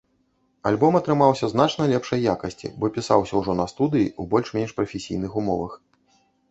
Альбом атрымаўся значна лепшай якасці, бо пісаўся ўжо на студыі, у больш-менш прафесійных умовах.